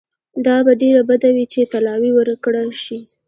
دا به ډېره بده وي چې طلاوي ورکړه شي.